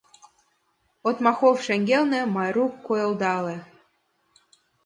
Отмахов шеҥгелне Майрук койылдале.